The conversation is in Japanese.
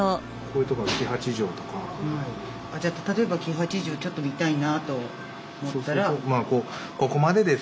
じゃあ例えば黄八丈ちょっと見たいなと思ったら。